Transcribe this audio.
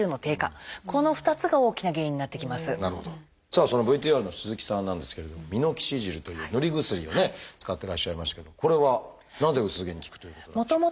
さあそのＶＴＲの鈴木さんなんですけれどもミノキシジルという塗り薬をね使ってらっしゃいましたけどこれはなぜ薄毛に効くということなんでしょう？